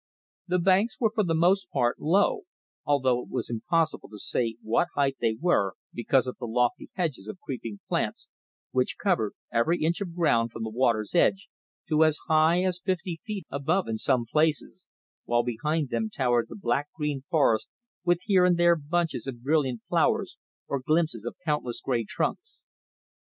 The banks were for the most part low, although it was impossible to say what height they were because of the lofty hedges of creeping plants which covered every inch of ground from the water's edge to as high as fifty feet above in some places, while behind them towered the black green forest with here and there bunches of brilliant flowers or glimpses of countless grey trunks.